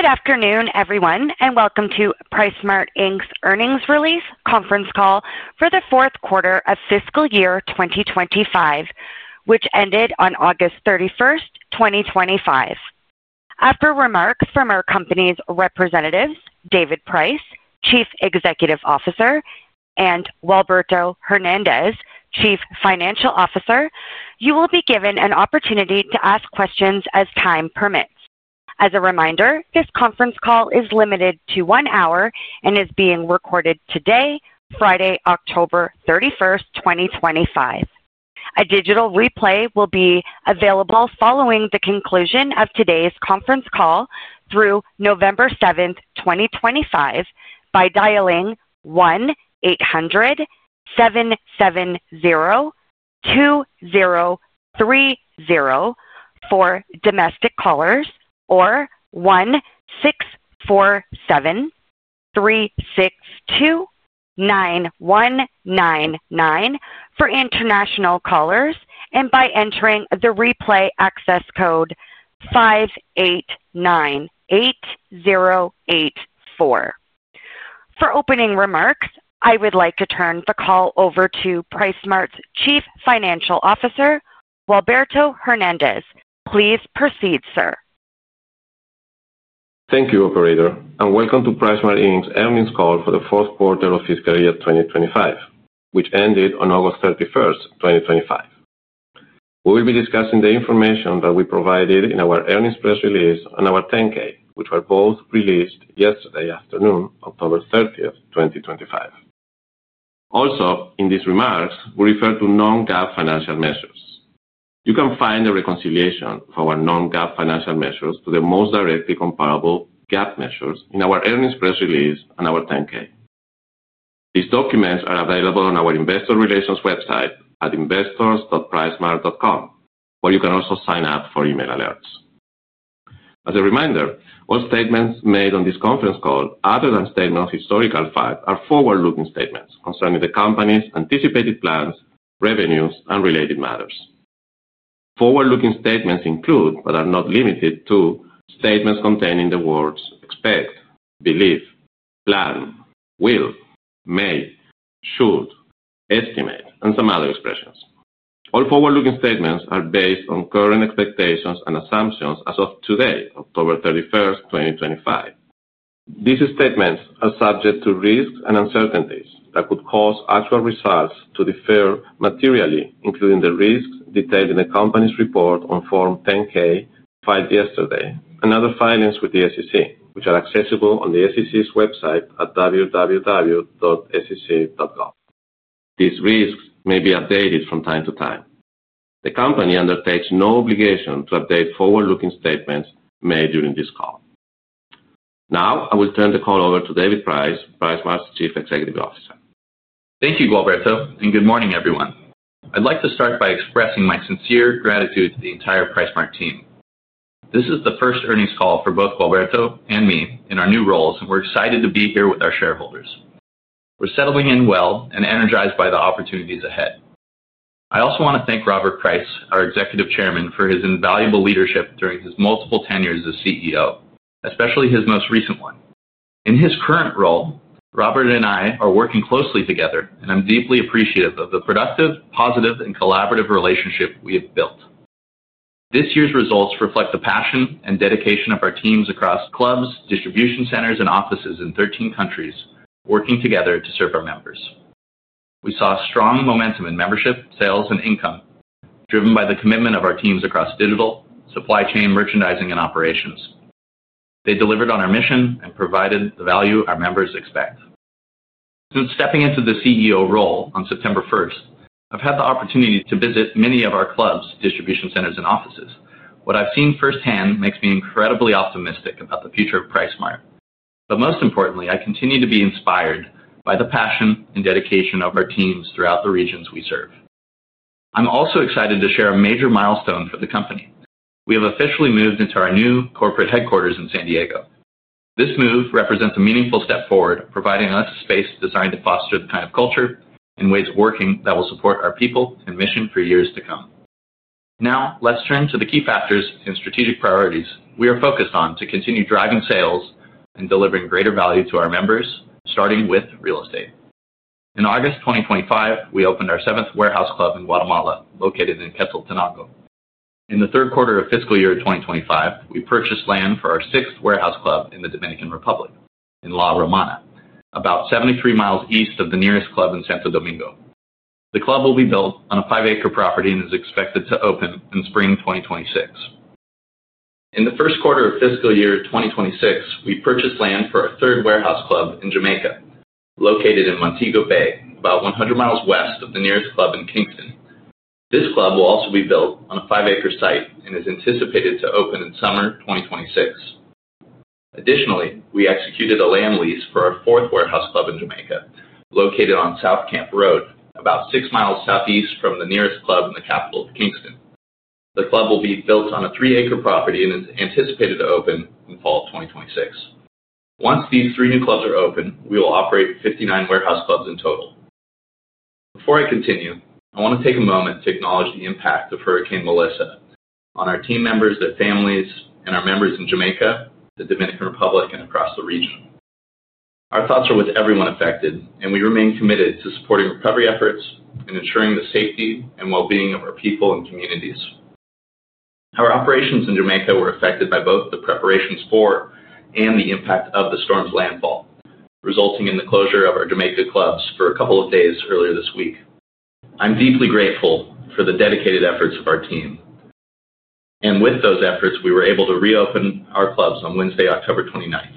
Good afternoon, everyone, and welcome to PriceSmart Inc.'s Earnings Release Conference Call for the Fourth Quarter of Fiscal Year 2025, which ended on August 31st, 2025. After remarks from our company's representatives, David Price, Chief Executive Officer, and Gualberto Hernandez, Chief Financial Officer, you will be given an opportunity to ask questions as time permits. As a reminder, this conference call is limited to one hour and is being recorded today, Friday, October 31st, 2025. A digital replay will be available following the conclusion of today's conference call through November 7th, 2025, by dialing 1-800-770-2030 for domestic callers or 1-647-362-9199 for international callers, and by entering the replay access code 5898084. For opening remarks, I would like to turn the call over to PriceSmart's Chief Financial Officer, Gualberto Hernandez. Please proceed, sir. Thank you, Operator, and welcome to PriceSmart Inc.'s earnings call for the fourth quarter of fiscal year 2025, which ended on August 31st, 2025. We will be discussing the information that we provided in our earnings press release and our Form 10-K, which were both released yesterday afternoon, October 30th, 2025. Also, in these remarks, we refer to non-GAAP financial measures. You can find a reconciliation of our non-GAAP financial measures to the most directly comparable GAAP measures in our earnings press release and our Form 10-K. These documents are available on our investor relations website at investors.pricemart.com, where you can also sign up for email alerts. As a reminder, all statements made on this conference call, other than statements of historical fact, are forward-looking statements concerning the company's anticipated plans, revenues, and related matters. Forward-looking statements include, but are not limited to, statements containing the words expect, believe, plan, will, may, should, estimate, and some other expressions. All forward-looking statements are based on current expectations and assumptions as of today, October 31st, 2025. These statements are subject to risks and uncertainties that could cause actual results to differ materially, including the risks detailed in the company's report on Form 10-K filed yesterday and other filings with the SEC, which are accessible on the SEC's website at www.sec.gov. These risks may be updated from time to time. The company undertakes no obligation to update forward-looking statements made during this call. Now, I will turn the call over to David Price, PriceSmart's Chief Executive Officer. Thank you, Gualberto, and good morning, everyone. I'd like to start by expressing my sincere gratitude to the entire PriceSmart team. This is the first earnings call for both Gualberto and me in our new roles, and we're excited to be here with our shareholders. We're settling in well and energized by the opportunities ahead. I also want to thank Robert Price, our Executive Chairman, for his invaluable leadership during his multiple tenures as CEO, especially his most recent one. In his current role, Robert and I are working closely together, and I'm deeply appreciative of the productive, positive, and collaborative relationship we have built. This year's results reflect the passion and dedication of our teams across clubs, distribution centers, and offices in 13 countries, working together to serve our members. We saw strong momentum in membership, sales, and income, driven by the commitment of our teams across digital, supply chain, merchandising, and operations. They delivered on our mission and provided the value our members expect. Since stepping into the CEO role on September 1st, I've had the opportunity to visit many of our clubs, distribution centers, and offices. What I've seen firsthand makes me incredibly optimistic about the future of PriceSmart. Most importantly, I continue to be inspired by the passion and dedication of our teams throughout the regions we serve. I'm also excited to share a major milestone for the company. We have officially moved into our new corporate headquarters in San Diego. This move represents a meaningful step forward, providing us space designed to foster the kind of culture and ways of working that will support our people and mission for years to come. Now, let's turn to the key factors and strategic priorities we are focused on to continue driving sales and delivering greater value to our members, starting with real estate. In August 2025, we opened our seventh warehouse club in Guatemala, located in Quetzaltenango. In the third quarter of fiscal year 2025, we purchased land for our sixth warehouse club in the Dominican Republic, in La Romana, about 73 miles east of the nearest club in Santo Domingo. The club will be built on a five-acre property and is expected to open in spring 2026. In the first quarter of fiscal year 2026, we purchased land for our third warehouse club in Jamaica, located in Montego Bay, about 100 miles west of the nearest club in Kingston. This club will also be built on a five-acre site and is anticipated to open in summer 2026. Additionally, we executed a land lease for our fourth warehouse club in Jamaica, located on South Camp Road, about six miles southeast from the nearest club in the capital of Kingston. The club will be built on a three-acre property and is anticipated to open in fall 2026. Once these three new clubs are open, we will operate 59 warehouse clubs in total. Before I continue, I want to take a moment to acknowledge the impact of Hurricane Melissa on our team members, their families, and our members in Jamaica, the Dominican Republic, and across the region. Our thoughts are with everyone affected, and we remain committed to supporting recovery efforts and ensuring the safety and well-being of our people and communities. Our operations in Jamaica were affected by both the preparations for and the impact of the storm's landfall, resulting in the closure of our Jamaica clubs for a couple of days earlier this week. I'm deeply grateful for the dedicated efforts of our team. With those efforts, we were able to reopen our clubs on Wednesday, October 29th.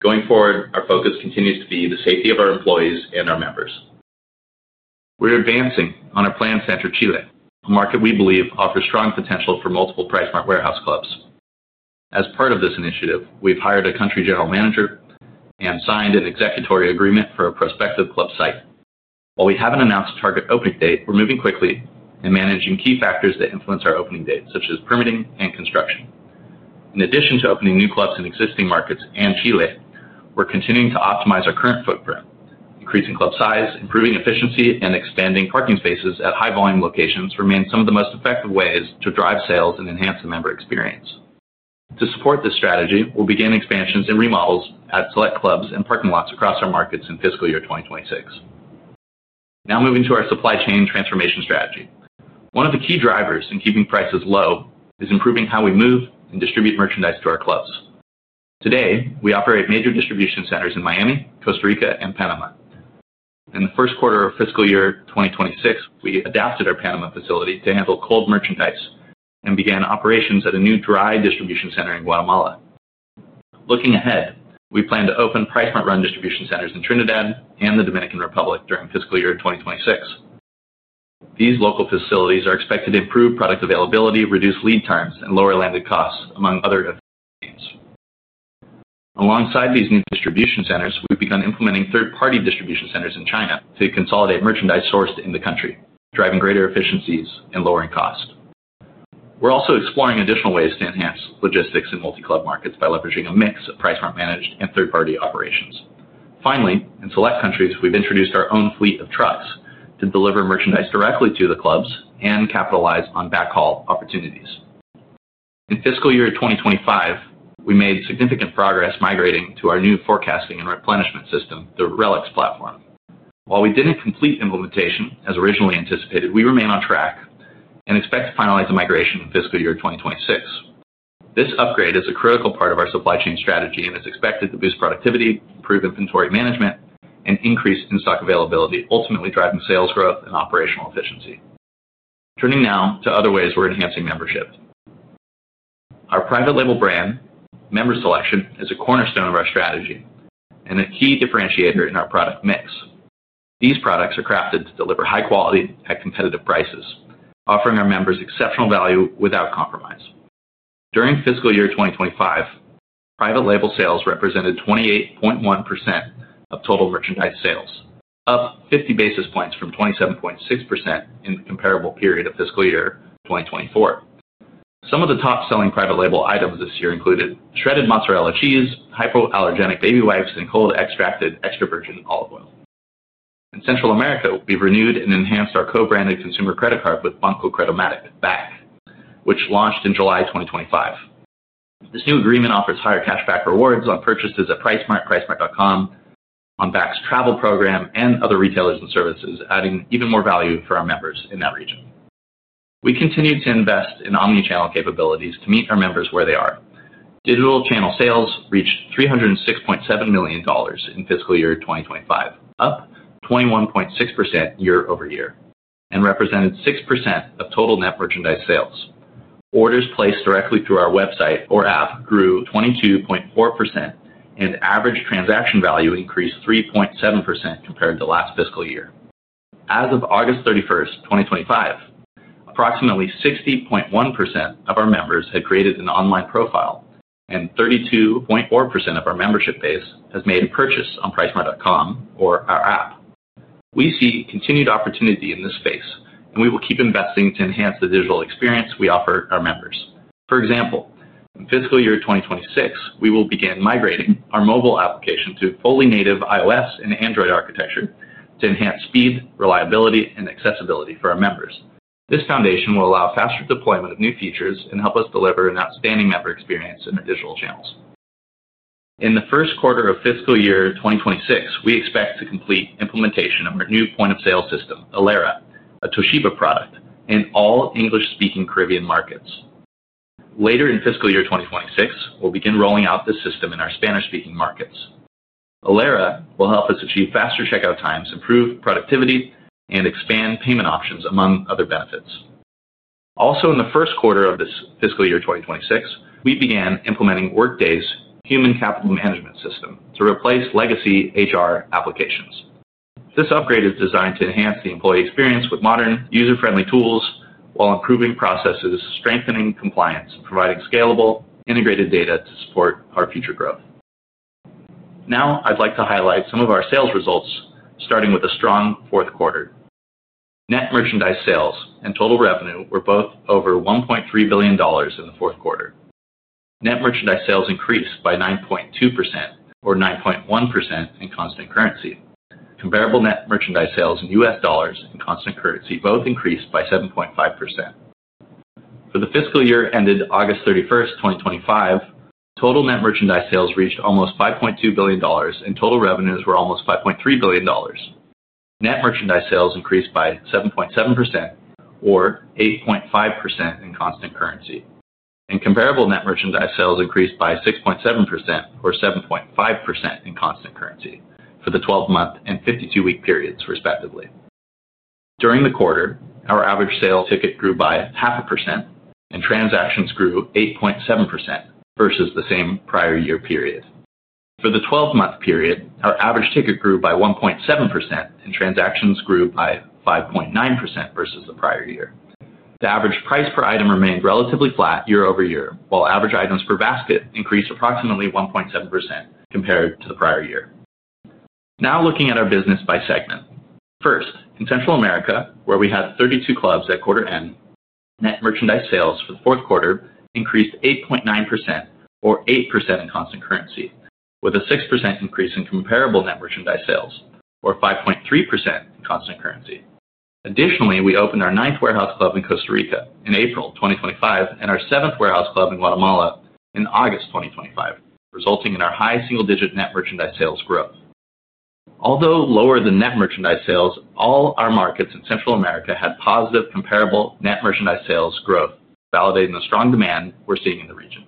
Going forward, our focus continues to be the safety of our employees and our members. We're advancing on our plan to enter Chile, a market we believe offers strong potential for multiple PriceSmart warehouse clubs. As part of this initiative, we've hired a Country General Manager and signed an executive agreement for a prospective club site. While we haven't announced a target opening date, we're moving quickly and managing key factors that influence our opening date, such as permitting and construction. In addition to opening new clubs in existing markets and Chile, we're continuing to optimize our current footprint. Increasing club size, improving efficiency, and expanding parking spaces at high-volume locations remain some of the most effective ways to drive sales and enhance the member experience. To support this strategy, we'll begin expansions and remodels at select clubs and parking lots across our markets in fiscal year 2026. Now moving to our supply chain transformation strategy. One of the key drivers in keeping prices low is improving how we move and distribute merchandise to our clubs. Today, we operate major distribution centers in Miami, Costa Rica, and Panama. In the first quarter of fiscal year 2026, we adapted our Panama facility to handle cold merchandise and began operations at a new dry distribution center in Guatemala. Looking ahead, we plan to open PriceSmart Run distribution centers in Trinidad and the Dominican Republic during fiscal year 2026. These local facilities are expected to improve product availability, reduce lead times, and lower landed costs, among other effective themes. Alongside these new distribution centers, we've begun implementing third-party distribution centers in China to consolidate merchandise sourced in the country, driving greater efficiencies and lowering costs. We're also exploring additional ways to enhance logistics in multi-club markets by leveraging a mix of PriceSmart-managed and third-party operations. Finally, in select countries, we've introduced our own fleet of trucks to deliver merchandise directly to the clubs and capitalize on backhaul opportunities. In fiscal year 2025, we made significant progress migrating to our new forecasting and replenishment system, the RELEX platform. While we didn't complete implementation as originally anticipated, we remain on track and expect to finalize the migration in fiscal year 2026. This upgrade is a critical part of our supply chain strategy and is expected to boost productivity, improve inventory management, and increase in stock availability, ultimately driving sales growth and operational efficiency. Turning now to other ways we're enhancing membership. Our private label brand, Member Selection, is a cornerstone of our strategy and a key differentiator in our product mix. These products are crafted to deliver high quality at competitive prices, offering our members exceptional value without compromise. During fiscal year 2025, private label sales represented 28.1% of total merchandise sales, up 50 bps from 27.6% in the comparable period of fiscal year 2024. Some of the top-selling private label items this year included shredded mozzarella cheese, hypoallergenic baby wipes, and cold-extracted extra virgin olive oil. In Central America, we've renewed and enhanced our co-branded consumer credit card with Banco Credomatic at BAC, which launched in July 2025. This new agreement offers higher cashback rewards on purchases at pricemart.com, on BAC's travel program, and other retailers and services, adding even more value for our members in that region. We continue to invest in omnichannel capabilities to meet our members where they are. Digital channel sales reached $306.7 million in fiscal year 2025, up 21.6% year over year, and represented 6% of total net merchandise sales. Orders placed directly through our website or app grew 22.4%, and average transaction value increased 3.7% compared to last fiscal year. As of August 31st, 2025, approximately 60.1% of our members had created an online profile, and 32.4% of our membership base has made a purchase on pricemart.com or our app. We see continued opportunity in this space, and we will keep investing to enhance the digital experience we offer our members. For example, in fiscal year 2026, we will begin migrating our mobile application to fully native iOS and Android architecture to enhance speed, reliability, and accessibility for our members. This foundation will allow faster deployment of new features and help us deliver an outstanding member experience in our digital channels. In the first quarter of fiscal year 2026, we expect to complete implementation of our new point-of-sale system, ELERA, a Toshiba product, in all English-speaking Caribbean markets. Later in fiscal year 2026, we'll begin rolling out this system in our Spanish-speaking markets. ELERA will help us achieve faster checkout times, improve productivity, and expand payment options, among other benefits. Also, in the first quarter of this fiscal year 2026, we began implementing Workday's human capital management system to replace legacy HR applications. This upgrade is designed to enhance the employee experience with modern, user-friendly tools while improving processes, strengthening compliance, and providing scalable, integrated data to support our future growth. Now, I'd like to highlight some of our sales results, starting with a strong fourth quarter. Net merchandise sales and total revenue were both over $1.3 billion in the fourth quarter. Net merchandise sales increased by 9.2%, or 9.1% in constant currency. Comparable net merchandise sales in U.S. dollars and constant currency both increased by 7.5%. For the fiscal year ended August 31st, 2025, total net merchandise sales reached almost $5.2 billion, and total revenues were almost $5.3 billion. Net merchandise sales increased by 7.7%, or 8.5% in constant currency. Comparable net merchandise sales increased by 6.7%, or 7.5% in constant currency for the 12-month and 52-week periods, respectively. During the quarter, our average sales ticket grew by 0.5%, and transactions grew 8.7% versus the same prior year period. For the 12-month period, our average ticket grew by 1.7%, and transactions grew by 5.9% versus the prior year. The average price per item remained relatively flat year over year, while average items per basket increased approximately 1.7% compared to the prior year. Now looking at our business by segment. First, in Central America, where we had 32 clubs at quarter end, net merchandise sales for the fourth quarter increased 8.9%, or 8% in constant currency, with a 6% increase in comparable net merchandise sales, or 5.3% in constant currency. Additionally, we opened our ninth warehouse club in Costa Rica in April 2025 and our seventh warehouse club in Guatemala in August 2025, resulting in our high single-digit net merchandise sales growth. Although lower than net merchandise sales, all our markets in Central America had positive comparable net merchandise sales growth, validating the strong demand we're seeing in the region.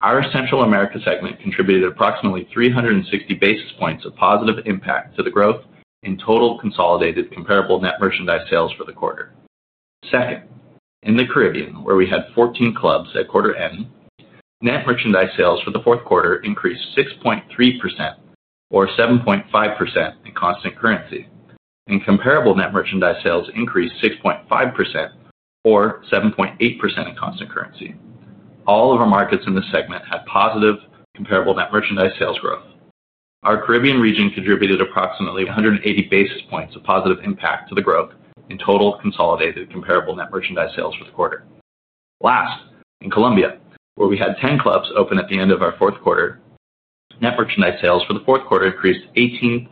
Our Central America segment contributed approximately 360 basis points of positive impact to the growth in total consolidated comparable net merchandise sales for the quarter. Second, in the Caribbean, where we had 14 clubs at quarter end, net merchandise sales for the fourth quarter increased 6.3%, or 7.5% in constant currency, and comparable net merchandise sales increased 6.5%, or 7.8% in constant currency. All of our markets in this segment had positive comparable net merchandise sales growth. Our Caribbean region contributed approximately 180 basis points of positive impact to the growth in total consolidated comparable net merchandise sales for the quarter. Last, in Colombia, where we had 10 clubs open at the end of our fourth quarter, net merchandise sales for the fourth quarter increased 18.2%,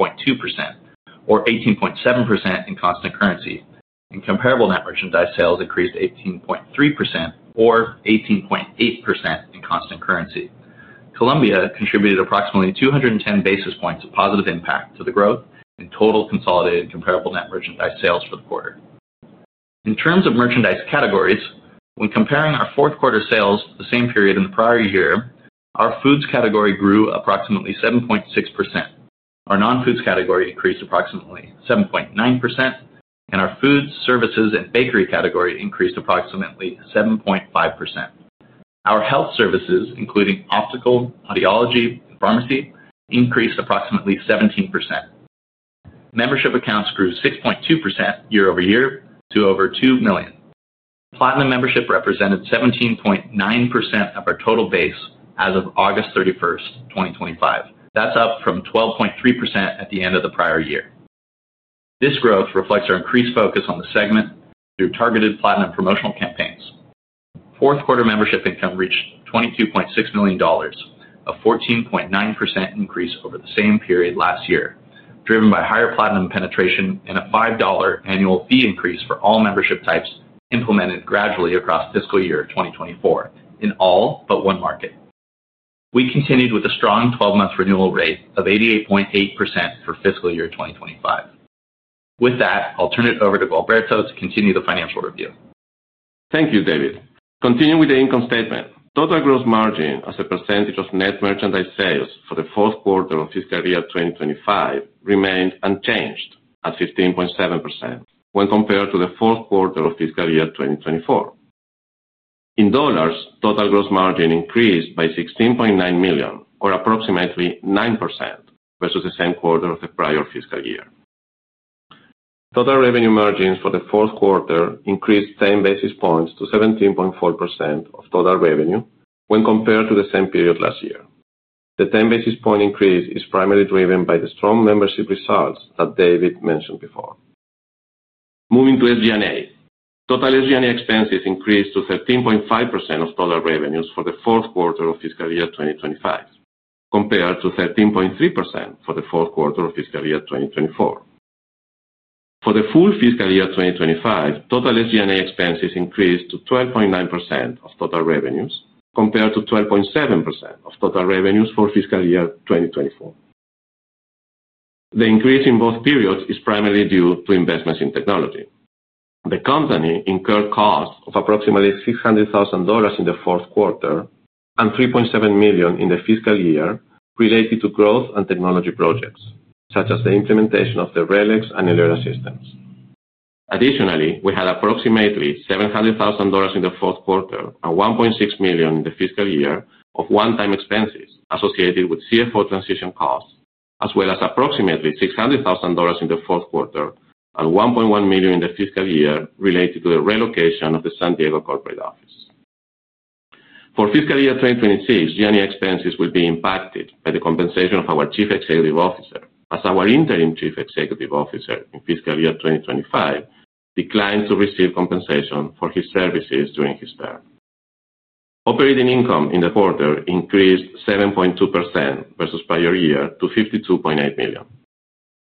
or 18.7% in constant currency, and comparable net merchandise sales increased 18.3%, or 18.8% in constant currency. Colombia contributed approximately 210 basis points of positive impact to the growth in total consolidated comparable net merchandise sales for the quarter. In terms of merchandise categories, when comparing our fourth quarter sales to the same period in the prior year, our foods category grew approximately 7.6%. Our non-foods category increased approximately 7.9%, and our foods, services, and bakery category increased approximately 7.5%. Our health services, including optical, audiology, and pharmacy, increased approximately 17%. Membership accounts grew 6.2% year over year to over 2 million. Platinum membership represented 17.9% of our total base as of August 31st, 2025. That's up from 12.3% at the end of the prior year. This growth reflects our increased focus on the segment through targeted platinum promotional campaigns. Fourth quarter membership income reached $22.6 million, a 14.9% increase over the same period last year, driven by higher platinum penetration and a $5 annual fee increase for all membership types implemented gradually across fiscal year 2024 in all but one market. We continued with a strong 12-month renewal rate of 88.8% for fiscal year 2025. With that, I'll turn it over to Gualberto to continue the financial review. Thank you, David. Continuing with the income statement, total gross margin as a percentage of net merchandise sales for the fourth quarter of fiscal year 2025 remained unchanged at 15.7% when compared to the fourth quarter of fiscal year 2024. In dollars, total gross margin increased by $16.9 million, or approximately 9%, versus the same quarter of the prior fiscal year. Total revenue margins for the fourth quarter increased 10 basis points to 17.4% of total revenue when compared to the same period last year. The 10 basis point increase is primarily driven by the strong membership results that David mentioned before. Moving to SG&A, total SG&A expenses increased to 13.5% of total revenues for the fourth quarter of fiscal year 2025, compared to 13.3% for the fourth quarter of fiscal year 2024. For the full fiscal year 2025, total SG&A expenses increased to 12.9% of total revenues, compared to 12.7% of total revenues for fiscal year 2024. The increase in both periods is primarily due to investments in technology. The company incurred costs of approximately $600,000 in the fourth quarter and $3.7 million in the fiscal year related to growth and technology projects, such as the implementation of the RELEX and ELERA systems. Additionally, we had approximately $700,000 in the fourth quarter and $1.6 million in the fiscal year of one-time expenses associated with CFO transition costs, as well as approximately $600,000 in the fourth quarter and $1.1 million in the fiscal year related to the relocation of the San Diego corporate office. For fiscal year 2026, SG&A expenses will be impacted by the compensation of our Chief Executive Officer, as our interim Chief Executive Officer in fiscal year 2025 declined to receive compensation for his services during his term. Operating income in the quarter increased 7.2% versus prior year to $52.8 million.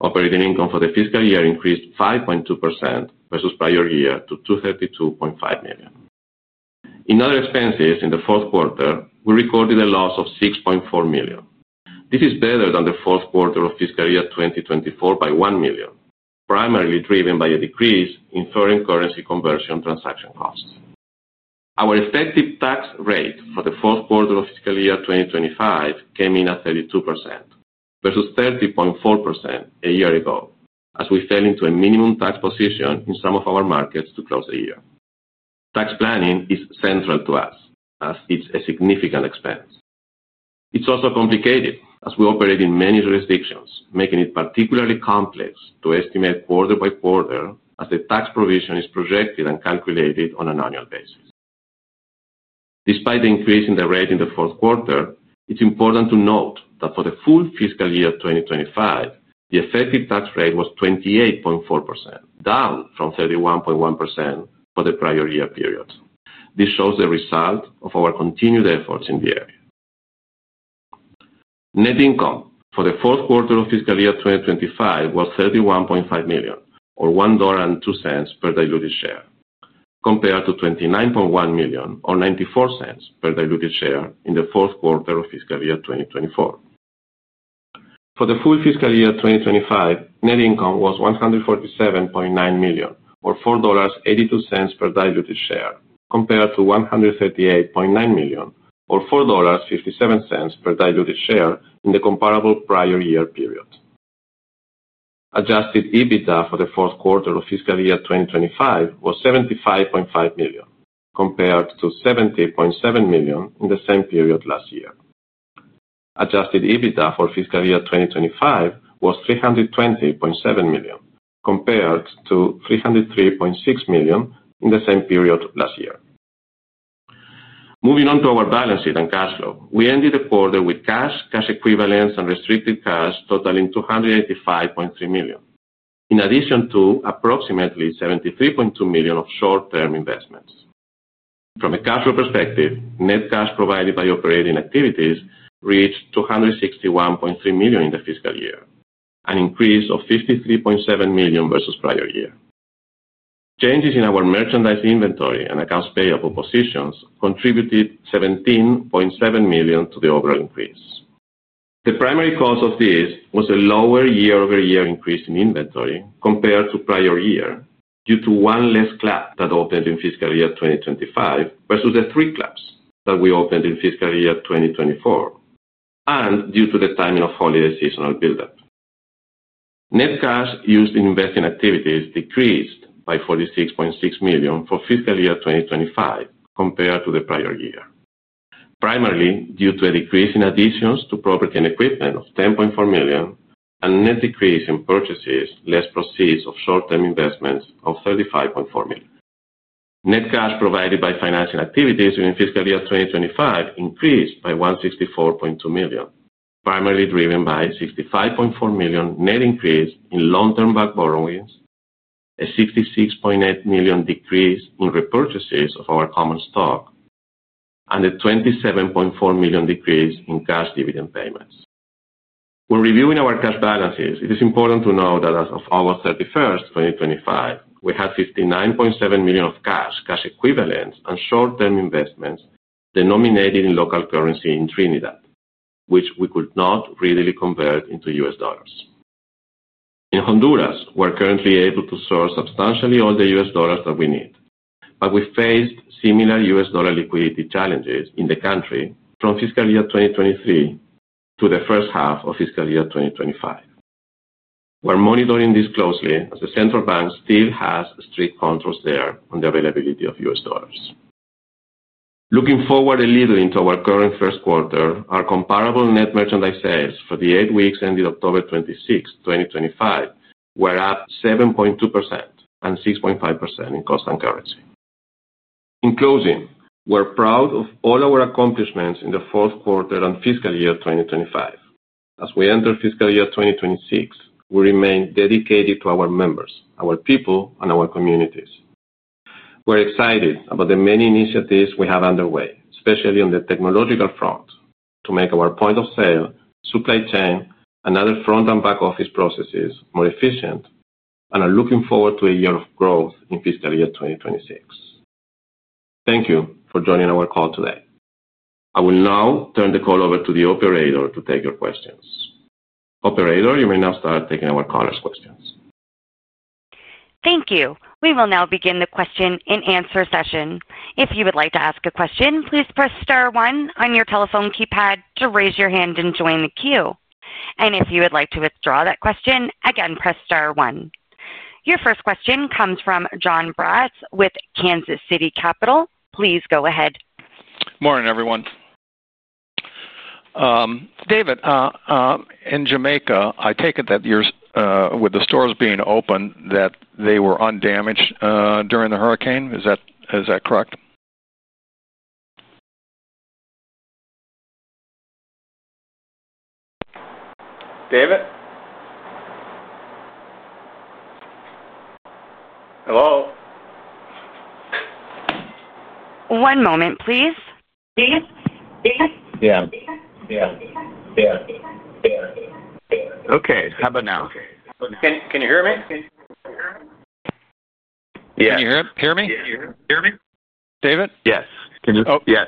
Operating income for the fiscal year increased 5.2% versus prior year to $232.5 million. In other expenses in the fourth quarter, we recorded a loss of $6.4 million. This is better than the fourth quarter of fiscal year 2024 by $1 million, primarily driven by a decrease in foreign currency conversion transaction costs. Our effective tax rate for the fourth quarter of fiscal year 2025 came in at 32% versus 30.4% a year ago, as we fell into a minimum tax position in some of our markets to close the year. Tax planning is central to us, as it's a significant expense. It's also complicated, as we operate in many jurisdictions, making it particularly complex to estimate quarter-by-quarter as the tax provision is projected and calculated on an annual basis. Despite the increase in the rate in the fourth quarter, it's important to note that for the full fiscal year 2025, the effective tax rate was 28.4%, down from 31.1% for the prior year period. This shows the result of our continued efforts in the area. Net income for the fourth quarter of fiscal year 2025 was $31.5 million, or $1.02 per diluted share, compared to $29.1 million, or $0.94 per diluted share in the fourth quarter of fiscal year 2024. For the full fiscal year 2025, net income was $147.9 million, or $4.82 per diluted share, compared to $138.9 million, or $4.57 per diluted share in the comparable prior year period. Adjusted EBITDA for the fourth quarter of fiscal year 2025 was $75.5 million, compared to $70.7 million in the same period last year. Adjusted EBITDA for fiscal year 2025 was $320.7 million, compared to $303.6 million in the same period last year. Moving on to our balance sheet and cash flow, we ended the quarter with cash, cash equivalents, and restricted cash totaling $285.3 million, in addition to approximately $73.2 million of short-term investments. From a cash flow perspective, net cash provided by operating activities reached $261.3 million in the fiscal year, an increase of $53.7 million versus prior year. Changes in our merchandise inventory and accounts payable positions contributed $17.7 million to the overall increase. The primary cause of this was a lower year-over-year increase in inventory compared to prior year due to one less club that opened in fiscal year 2025 versus the three clubs that we opened in fiscal year 2024, and due to the timing of holiday seasonal build-up. Net cash used in investing activities decreased by $46.6 million for fiscal year 2025 compared to the prior year, primarily due to a decrease in additions to property and equipment of $10.4 million and a net decrease in purchases less proceeds of short-term investments of $35.4 million. Net cash provided by financing activities during fiscal year 2025 increased by $164.2 million, primarily driven by a $65.4 million net increase in long-term bank borrowings, a $66.8 million decrease in repurchases of our common stock, and a $27.4 million decrease in cash dividend payments. When reviewing our cash balances, it is important to note that as of August 31st, 2025, we had $59.7 million of cash, cash equivalents, and short-term investments denominated in local currency in Trinidad, which we could not readily convert into U.S. dollars. In Honduras, we're currently able to source substantially all the U.S. dollars that we need, but we faced similar U.S. dollar liquidity challenges in the country from fiscal year 2023 to the first half of fiscal year 2025. We're monitoring this closely as the central bank still has strict controls there on the availability of U.S. dollars. Looking forward a little into our current first quarter, our comparable net merchandise sales for the eight weeks ended October 26th, 2025 were up 7.2% and 6.5% in cost and currency. In closing, we're proud of all our accomplishments in the fourth quarter and fiscal year 2025. As we enter fiscal year 2026, we remain dedicated to our members, our people, and our communities. We're excited about the many initiatives we have underway, especially on the technological front, to make our point of sale, supply chain, and other front and back office processes more efficient, and are looking forward to a year of growth in fiscal year 2026. Thank you for joining our call today. I will now turn the call over to the operator to take your questions. Operator, you may now start taking our callers' questions. Thank you. We will now begin the question-and-answer session. If you would like to ask a question, please press star one on your telephone keypad to raise your hand and join the queue. If you would like to withdraw that question, again, press star one. Your first question comes from Jon Braatz with Kansas City Capital. Please go ahead. Morning, everyone. David. In Jamaica, I take it that yours, with the stores being open, that they were undamaged during the hurricane. Is that correct? David? Hello? One moment, please. Yeah. Okay. How about now? Can you hear me? Yeah. Can you hear me? David? Yes. Can you? Oh, yes.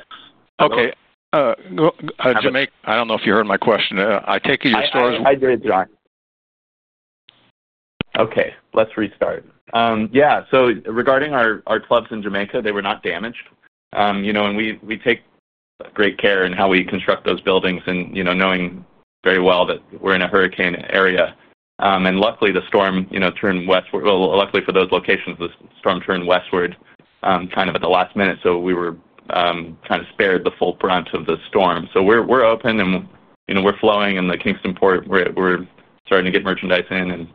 Okay. I don't know if you heard my question. I take it your stores were. I did, Jon. Okay. Let's restart. Yeah. Regarding our clubs in Jamaica, they were not damaged. We take great care in how we construct those buildings and knowing very well that we're in a hurricane area. Luckily, the storm turned westward. Luckily for those locations, the storm turned westward kind of at the last minute, so we were kind of spared the full brunt of the storm. We're open, and we're flowing, and the Kingston Port, we're starting to get merchandise in.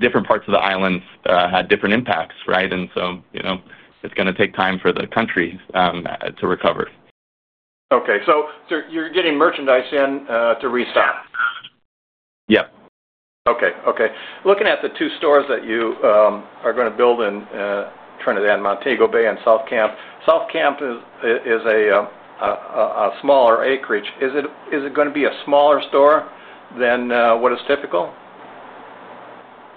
Different parts of the islands had different impacts, right? It's going to take time for the country to recover. Okay. So you're getting merchandise in to restock? Yes. Okay. Looking at the two stores that you are going to build in Trinidad and Montego Bay and South Camp, South Camp is a smaller acreage. Is it going to be a smaller store than what is typical?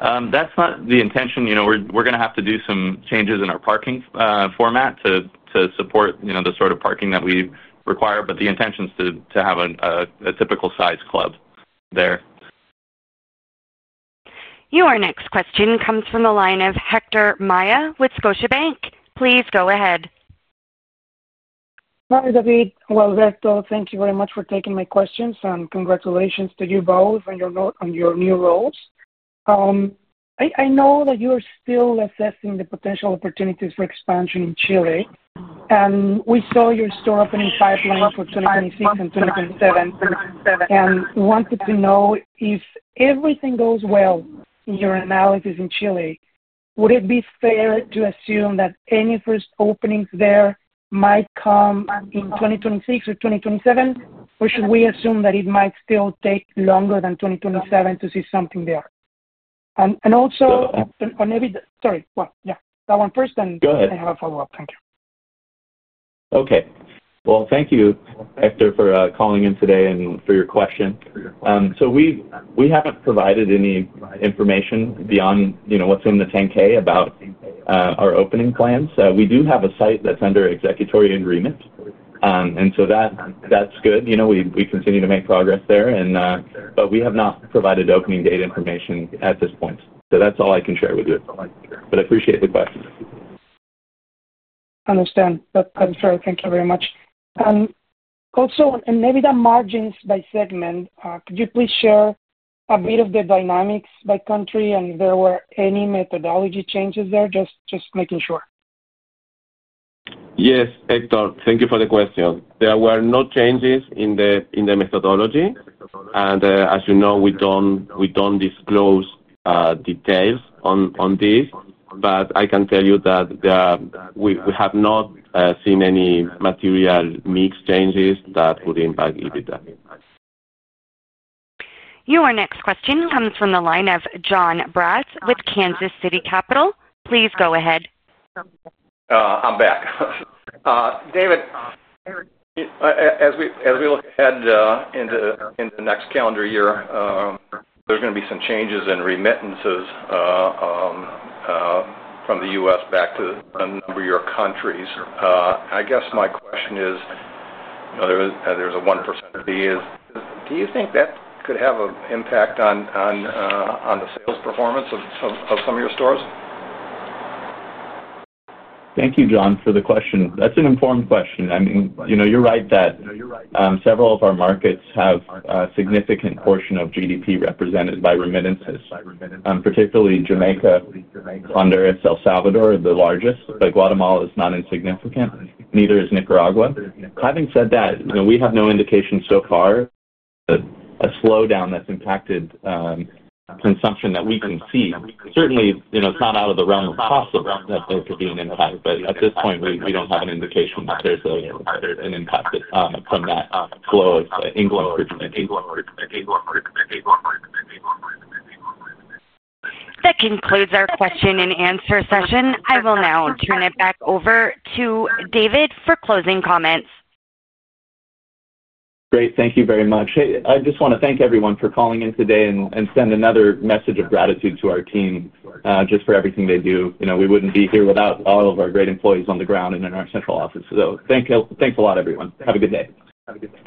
That's not the intention. We're going to have to do some changes in our parking format to support the sort of parking that we require, but the intention is to have a typical-sized club there. Your next question comes from the line of Héctor Maya with Scotiabank Global Banking and Markets. Please go ahead. Hi, David. Héctor, thank you very much for taking my questions, and congratulations to you both on your new roles. I know that you are still assessing the potential opportunities for expansion in Chile, and we saw your store opening pipeline for 2026 and 2027. We wanted to know if everything goes well in your analysis in Chile, would it be fair to assume that any first openings there might come in 2026 or 2027, or should we assume that it might still take longer than 2027 to see something there? Maybe, sorry. That one first, and then I have a follow-up. Thank you. Thank you, Héctor, for calling in today and for your question. We haven't provided any information beyond what's in the Form 10-K about our opening plans. We do have a site that's under executive agreement, and that's good. We continue to make progress there, but we have not provided opening date information at this point. That's all I can share with you. I appreciate the question. Understand. That's perfect. Thank you very much. Also, and maybe the margins by segment, could you please share a bit of the dynamics by country and if there were any methodology changes there? Just making sure. Yes, Héctor, thank you for the question. There were no changes in the methodology. As you know, we don't disclose details on this, but I can tell you that we have not seen any material mix changes that would impact EBITDA. Your next question comes from the line of Jon Price with Kansas City Capital. Please go ahead. I'm back. David, as we look ahead into the next calendar year, there's going to be some changes in remittances from the U.S. back to a number of your countries. I guess my question is, there's a 1% fee. Do you think that could have an impact on the sales performance of some of your stores? Thank you, Jon, for the question. That's an informed question. You're right that several of our markets have a significant portion of GDP represented by remittances, particularly Jamaica, Honduras, El Salvador, the largest. Guatemala is not insignificant, neither is Nicaragua. Having said that, we have no indication so far of a slowdown that's impacted consumption that we can see. Certainly, it's not out of the realm of possible that there could be an impact, but at this point, we don't have an indication that there's an impact from that flow of income for Jamaica. That concludes our question-and-answer session. I will now turn it back over to David for closing comments. Great. Thank you very much. I just want to thank everyone for calling in today and send another message of gratitude to our team just for everything they do. We wouldn't be here without all of our great employees on the ground and in our central office. Thanks a lot, everyone. Have a good day. Have a good day.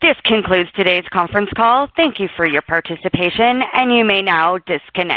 This concludes today's conference call. Thank you for your participation, and you may now disconnect.